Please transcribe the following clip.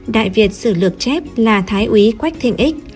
đại việt sử lược chép là thái uý quách thịnh ích